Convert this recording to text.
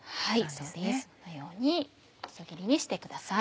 そうですこのように細切りにしてください。